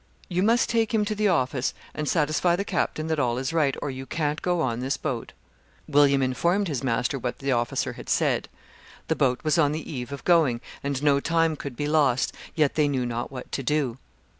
"You must take him to the office and satisfy the captain that all is right, or you can't go on this boat." William informed his master what the officer had said. The boat was on the eve of going, and no time could be lost, yet they knew not what to do.